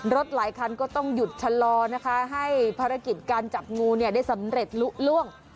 รถหลายครั้งก็ต้องหยุดชะลอให้ภารกิจการจับงูได้สำเร็จลุ้่ง